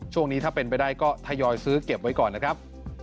ช่วงนี้ถ้าเป็นไปได้ก็ทยอยซื้อเก็บไว้ก่อนนะครับ